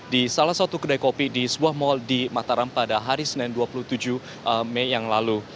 di salah satu kedai kopi di sebuah mal di mataram pada hari senin dua puluh tujuh mei yang lalu